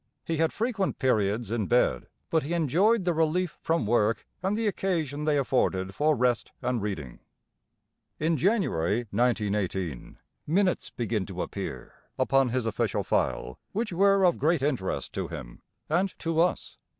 He had frequent periods in bed; but he enjoyed the relief from work and the occasion they afforded for rest and reading. In January, 1918, minutes begin to appear upon his official file which were of great interest to him, and to us.